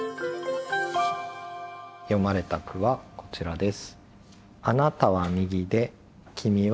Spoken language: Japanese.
詠まれた句はこちらです。